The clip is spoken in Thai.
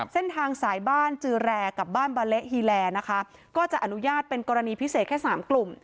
เส้นทางสายบ้านจือแรกับบ้านบาเละฮีแลนะคะก็จะอนุญาตเป็นกรณีพิเศษแค่สามกลุ่ม